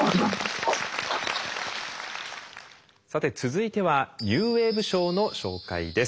さて続いてはニューウェーブ賞の紹介です。